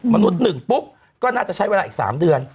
มนุษย์๑ปุ๊บก็น่าจะใช้เวลาอีก๓เดือน